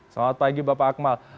selamat pagi bapak akmal